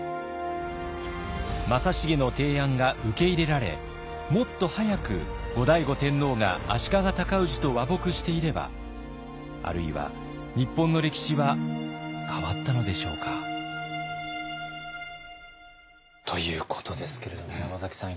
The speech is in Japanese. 正成の提案が受け入れられもっと早く後醍醐天皇が足利尊氏と和睦していればあるいは日本の歴史は変わったのでしょうか？ということですけれども山崎さん